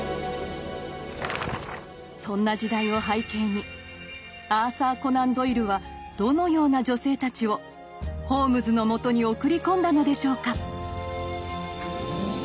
そんな時代を背景にアーサー・コナン・ドイルはどのような女性たちをホームズのもとに送り込んだのでしょうか？